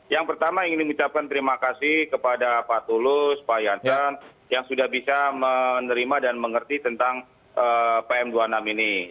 yang pertama ingin mengucapkan terima kasih kepada pak tulus pak jansen yang sudah bisa menerima dan mengerti tentang pm dua puluh enam ini